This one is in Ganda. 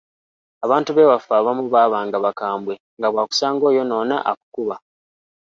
Abantu b’ewaffe abamu baabanga bakambwe nga bw’akusanga oyonoona akukuba.